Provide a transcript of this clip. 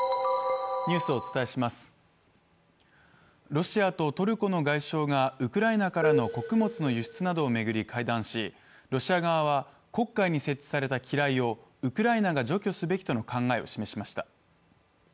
ロシアとトルコの外相がウクライナからの穀物の輸出などを巡り会談しロシア側は、黒海に設置された機雷をウクライナが除去すべきとの考えを示しました。